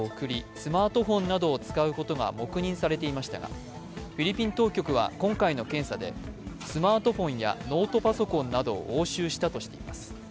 スマートフォンなどを使うことが黙認されていましたがフィリピン当局は今回の検査で、スマートフォンやノートパソコンなどを押収したとしています。